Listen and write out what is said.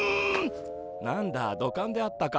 何だ土管であったか。